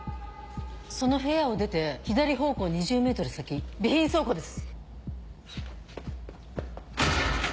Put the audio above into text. その部屋を出て左方向２０ｍ先備品倉庫です。